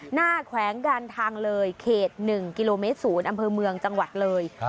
หน้าแขวงดันทางเลยเขต๑กิโลเมตรศูนย์อำเภอเมืองจังหวัดเลย